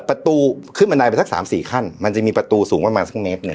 ประตูขึ้นบันไดไปสักสามสี่ขั้นมันจะมีประตูสูงประมาณสักเมตรหนึ่ง